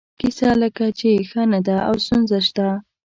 کیسه لکه چې ښه نه ده او ستونزه شته.